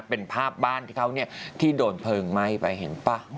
เป็นภาพบ้านที่เขาที่โดนเพลิงไหม้ไปเห็นป่ะ